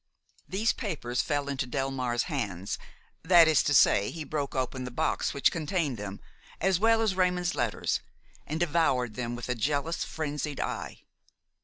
These papers fell into Delmare's hands, that is to say, he broke open the box which contained them as well as Raymon's letters, and devoured them with a jealous, frenzied eye.